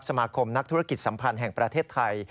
สมาคมนักธุรกิจสัมพันธ์แห่งประเทศไทย